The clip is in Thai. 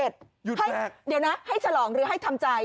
เดี๋ยวนะให้ฉลองหรือให้ทำใจ